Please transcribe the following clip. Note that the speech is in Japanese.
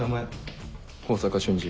向坂俊二。